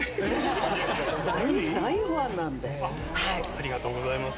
ありがとうございます。